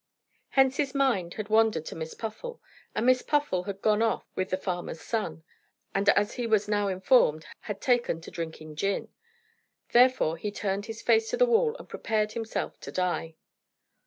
Hence his mind had wandered to Miss Puffle, and Miss Puffle had gone off with the farmer's son, and, as he was now informed, had taken to drinking gin. Therefore he turned his face to the wall and prepared himself to die.